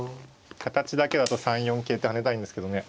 形だけだと３四桂って跳ねたいんですけどね。